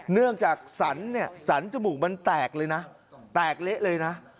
เนื่องจากสันเนี่ยสันจมูกมันแตกเลยนะแตกเละเลยนะ